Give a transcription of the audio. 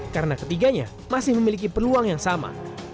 karena ketiganya masih memiliki peluang yang sama